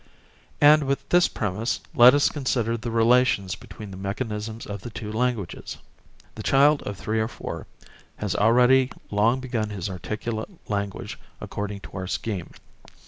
And with this premise let us consider the relations between the mechanisms of the two languages. The child of three or four has already long begun his articulate language according to our scheme.